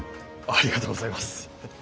ありがとうございます！